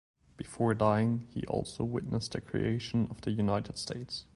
Before dying, he also witnessed the creation of the United States.